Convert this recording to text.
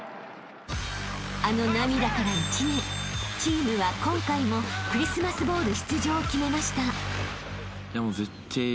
［あの涙から１年チームは今回もクリスマスボウル出場を決めました］